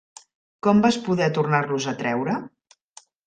Com vas poder tornar-los a treure?